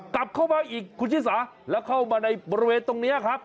กลับเข้ามาอีกคุณชิสาแล้วเข้ามาในบริเวณตรงนี้ครับ